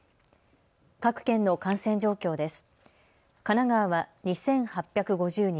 各県の感染状況です。